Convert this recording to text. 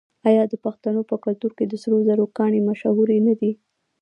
آیا د پښتنو په کلتور کې د سرو زرو ګاڼې مشهورې نه دي؟